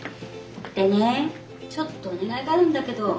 でねちょっとお願いがあるんだけど。